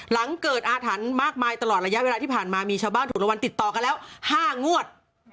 หลังเกิดอาถรรพ์มากมายตลอดระยะเวลาที่ผ่านมามีชาวบ้านถูกรางวัลติดต่อกันแล้ว๕งวด